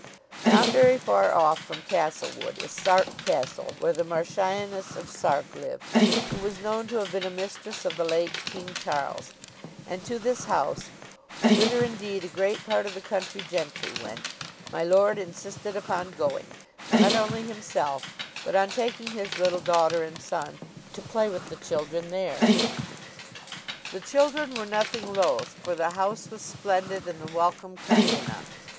Not very far off from Castlewood is Sark Castle, where the Marchioness of Sark lived, who was known to have been a mistress of the late King Charles and to this house, whither indeed a great part of the country gentry went, my lord insisted upon going, not only himself, but on taking his little daughter and son, to play with the children there. The children were nothing loth, for the house was splendid, and the welcome kind enough.